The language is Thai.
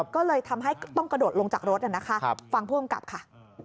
ก็เลยทำให้ต้องกระโดดลงจากรถนะคะฟังผู้กำกับค่ะ